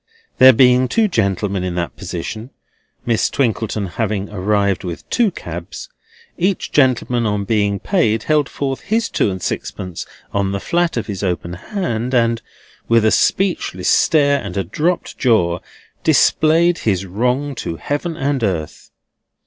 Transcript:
There being two gentlemen in that position (Miss Twinkleton having arrived with two cabs), each gentleman on being paid held forth his two and sixpence on the flat of his open hand, and, with a speechless stare and a dropped jaw, displayed his wrong to heaven and earth.